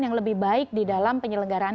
yang lebih baik di dalam penyelenggaraan